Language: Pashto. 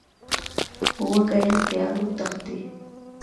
وزې له تیارو تښتي